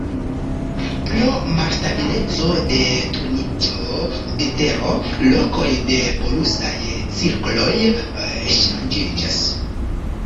Pro malstabileco de turniĝo de Tero lokoj de polusaj cirkloj ŝanĝiĝas.